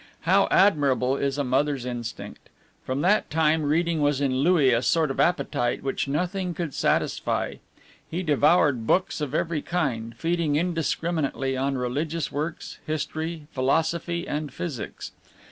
How admirable is a mother's instinct! From that time reading was in Louis a sort of appetite which nothing could satisfy; he devoured books of every kind, feeding indiscriminately on religious works, history, philosophy, and physics.